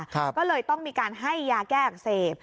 ก็เลยต้องมีการให้ยาแก้อักเสบ